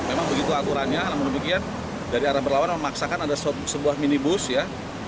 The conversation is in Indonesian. memang begitu aturannya namun demikian dari arah berlawan memaksakan ada sebuah minibus ya